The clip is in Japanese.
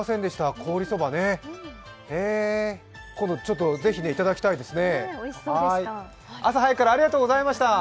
凍りそばね、今度ぜひいただきたいですね。